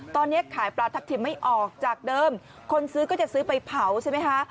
ตอนนี้ขายปลาทับทิมไม่ออกจากเดิมคนซื้อก็จะซื้อไปเผาใช่ไหมคะ